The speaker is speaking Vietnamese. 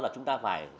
là chúng ta phải